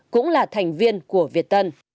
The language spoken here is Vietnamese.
cũng là thành viên của việt tân